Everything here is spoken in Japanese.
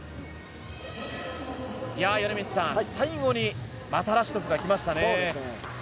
米満さん、最後にまたラシドフが来ましたね。